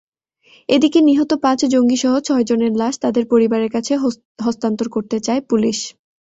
এদিকে নিহত পাঁচ জঙ্গিসহ ছয়জনের লাশ তাদের পরিবারের কাছে হস্তান্তর করতে চায় পুলিশ।